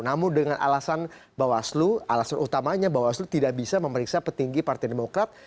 namun dengan alasan bawaslu alasan utamanya bawaslu tidak bisa memeriksa petinggi partai demokrat